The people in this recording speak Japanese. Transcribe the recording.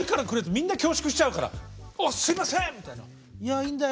みんな恐縮しちゃうから「あっすいません」みたいな「いやいいんだよ」